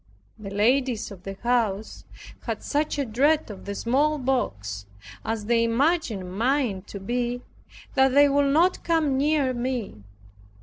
The ladies of the house had such a dread of the smallpox, as they imagined mine to be, that they would not come near me.